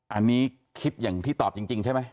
อันนี้คิดอย่างที่ตอบจริงใช่ไหม